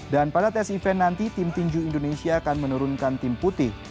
dan pada tes event nanti tim tinju indonesia akan menurunkan tim putih